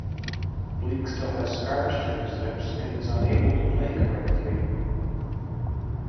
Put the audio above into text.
Bleek still has scars to his lips, and is unable to play correctly.